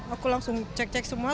aku langsung cek cek semua